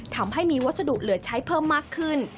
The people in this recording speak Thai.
ทำให้มีวัสดุเหลือใช้เพิ่มมากขึ้น